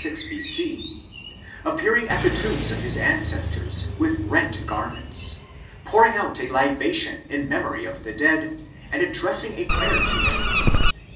] appearing at the tombs of his ancestors with rent garments, pouring out a libation in memory of the dead, and address ing a prayer to them.